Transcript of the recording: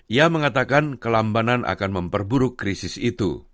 ia mengatakan kelambanan akan memperburuk krisis itu